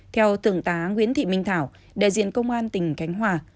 theo thượng tá nguyễn thị minh thảo đại diện công an tỉnh khánh hòa